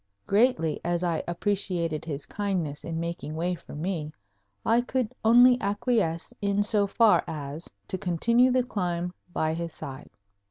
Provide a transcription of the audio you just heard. Greatly as I appreciated his kindness in making way for me, I could only acquiesce in so far as to continue the climb by his side.